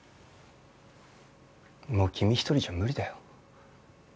もう君一人じゃ無理だよ。